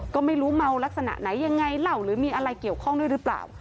ก็ไม่รู้เมาลักษณะไหนยังไงเหล่าหรือมีอะไรเกี่ยวข้องด้วยหรือเปล่า